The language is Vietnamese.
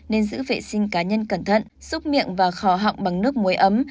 nên giữ vệ sinh cá nhân cẩn thận giúp miệng và khò họng bằng nước muối ấm